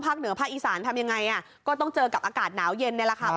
เหนือภาคอีสานทำยังไงก็ต้องเจอกับอากาศหนาวเย็นนี่แหละค่ะ